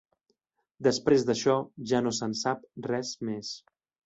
Després d'això, ja no se'n sap res més.